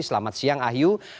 selamat siang ayu